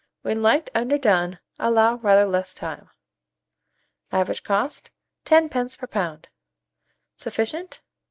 When liked underdone, allow rather less time. Average cost, 10d. per lb. Sufficient.